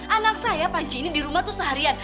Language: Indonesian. anak saya panji ini di rumah tuh seharian